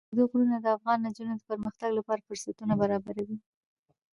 اوږده غرونه د افغان نجونو د پرمختګ لپاره فرصتونه برابروي.